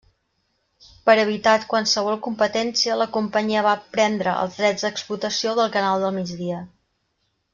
Per evitat qualsevol competència, la companyia va prendre els drets d'explotació del Canal del Migdia.